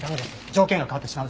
条件が変わってしまう。